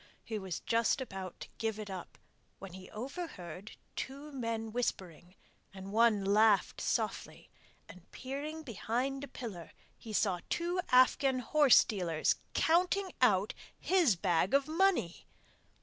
He was just about to give it up when he overheard two men whispering, and one laughed softly, and peering behind a pillar, he saw two Afghan horsedealers counting out his bag of money!